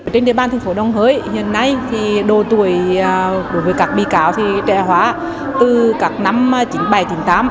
trên địa bàn thành phố đồng hới hiện nay đồ tuổi đối với các bị cáo trẻ hóa từ các năm chín mươi bảy chín mươi tám